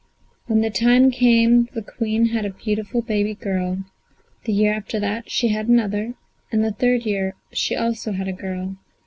When the time came the Queen had a beautiful baby girl; the year after she had another, and the third year she also had a girl.